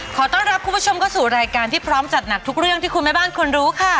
ขอต้อนรับคุณผู้ชมเข้าสู่รายการที่พร้อมจัดหนักทุกเรื่องที่คุณแม่บ้านควรรู้ค่ะ